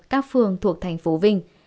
các phương thuộc thành phố vinh